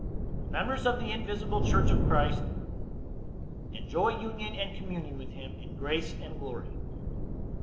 The members of the invisible church by Christ enjoy union and communion with him in grace and glory.